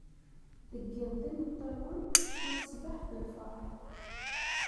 Deg yiḍ, d imeṭṭawen, ma d ṣṣbeḥ, d lferḥ.